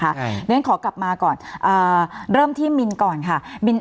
เพราะฉะนั้นขอกลับมาก่อนเริ่มที่มินก่อนค่ะ